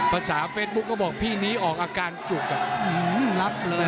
ภาษาเฟซบุ๊กก็บอกพี่นี้ออกอาการจุกรับเลย